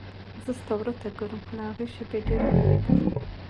زه ستا ور ته ګورم خو له هغې شېبې ډېره وېرېدم.